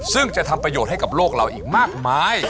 ซึ่งจะทำประโยชน์ให้กับโลกเราอีกมากมาย